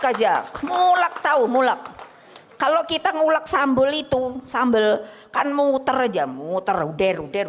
suka aja mulak tahu mulak kalau kita ngulak sambel itu sambel kan muter aja muter udir udir